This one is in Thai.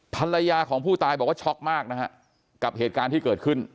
ภรรยาของผู้ตายบอกว่าช็อกมากนะฮะกับเหตุการณ์ที่เกิดขึ้น